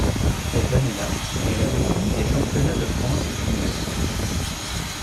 Cette année-là, elle avait fini des championnats de France juniors.